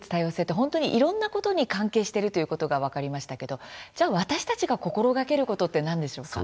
本当にいろいろなことに関係しているということが分かりましたけれども私たちが心がけることは何でしょうか。